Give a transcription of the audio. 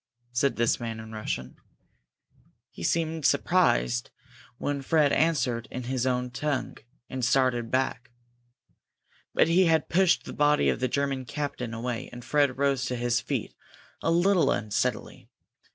said this man in Russian. He seemed surprised when Fred answered in his own tongue, and started back. But he had pushed the body of the German captain away, and Fred rose to his feet a little unsteadily.